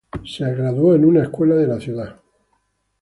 Se graduó en una escuela católica de la ciudad.